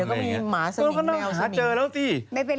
เดี๋ยวก็มีหมาสมิงแมวสมิง